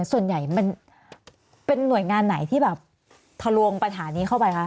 ส่วนใหญ่มันเป็นหน่วยงานไหนที่แบบทะลวงปัญหานี้เข้าไปคะ